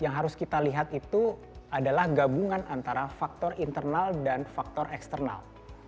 yang harus kita lihat itu adalah gabungan antara faktor internal dan faktor eksternal